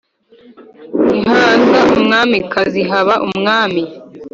ntihaba umwamikazi haba umwami